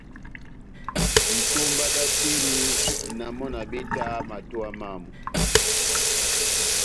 Itómba dá oteni, na mɔ́ na betaha ó matowa mámu.